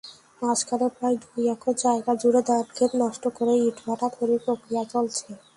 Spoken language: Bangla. মাঝখানে প্রায় দুই একর জায়গাজুড়ে ধানখেত নষ্ট করে ইটভাটা তৈরির প্রক্রিয়া চলছে।